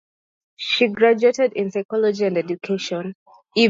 She graduated in psychology and education.